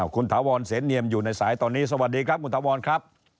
คุณถาวรเสนเนียมอยู่ในสายตอนนี้สวัสดีครับคุณถาวรครับ